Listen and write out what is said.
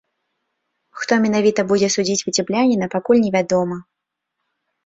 Хто менавіта будзе судзіць віцябляніна, пакуль невядома.